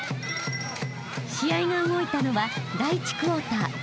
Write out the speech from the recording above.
［試合が動いたのは第１クォーター］